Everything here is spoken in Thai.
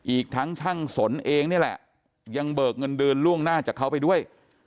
อีกทั้งช่างสนเองนี่แหละยังเบิกเงินเดือนล่วงหน้าจากเขาไปด้วย